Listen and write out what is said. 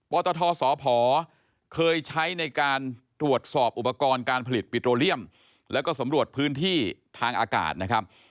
ตทสพเคยใช้ในการตรวจสอบอุปกรณ์การผลิตปิโตเรียมแล้วก็สำรวจพื้นที่ทางอากาศนะครับ